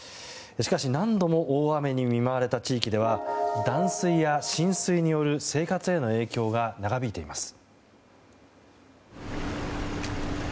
しかし、何度も大雨に見舞われた地域では断水や浸水による生活への影響が長引いています。